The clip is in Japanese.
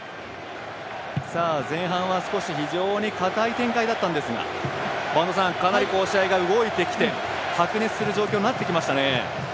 前半は堅い展開だったんですがかなり試合が動いてきて白熱する状況になってきましたね。